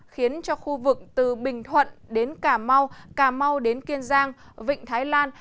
khiến cho khu vực từ bình thuận đến cà mau cà mau đến kiên giang vịnh thái lan